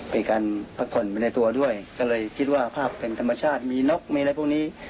มีการพักผ่อนไปในตัวด้วยก็เลยคิดว่าภาพเป็นธรรมชาติมีนกมีอะไรพวกนี้